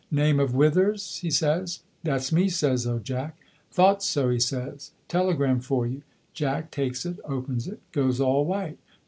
'Name of Withers?' he says. 'That's me,' says old Jack. 'Thought so,' he says. 'Telegram for you.' Jack takes it, opens it, goes all white.